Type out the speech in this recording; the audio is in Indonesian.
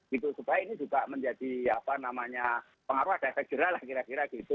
gitu supaya ini juga menjadi apa namanya pengaruh ada efek jual kira kira gitu